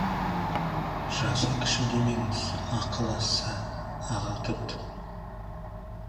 Жасы кіші демеңіз, ақылы асса, аға тұт.